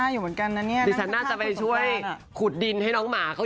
อ่ารอฟังเต็มเรามีสกูฟกับบันเทิงเย็นของเรานะคะ